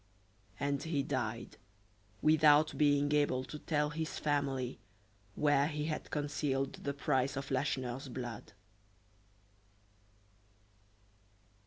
And he died, without being able to tell his family where he had concealed the price of Lacheneur's blood.